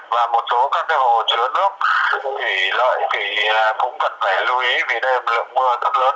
và một số các hồ chứa nước thì lợi thì cũng cần phải lưu ý vì đây là một lượng mưa rất lớn